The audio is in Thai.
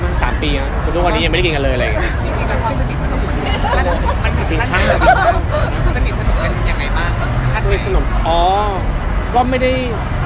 ไม่ยังไม่เคยเคยกินก็เพราะ